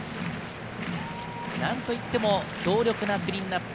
何と言っても強力なクリーンナップ。